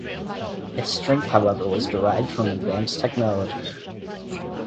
Its strength however was derived from advanced technology.